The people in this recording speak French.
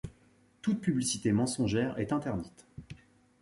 Toute publicité mensongère est interdite.